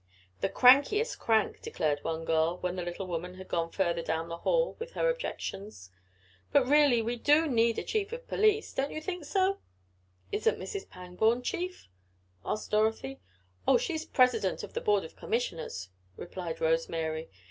"The crankiest crank," declared one girl, when the little woman had gone further down the hall with her objections. "But, really, we need a chief of police. Don't you think so?" "Isn't Mrs. Pangborn chief?" asked Dorothy. "Oh, she's president of the board of commissioners," replied Rose Mary.